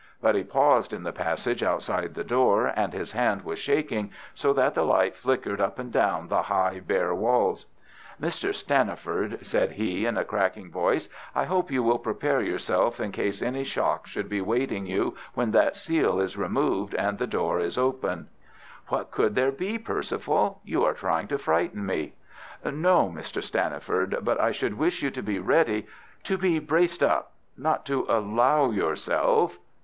But he paused in the passage outside the door, and his hand was shaking, so that the light flickered up and down the high, bare walls. "Mr. Stanniford," said he, in a cracking voice, "I hope you will prepare yourself in case any shock should be awaiting you when that seal is removed and the door is opened." "What could there be, Perceval? You are trying to frighten me." "No, Mr. Stanniford; but I should wish you to be ready ... to be braced up ... not to allow yourself...."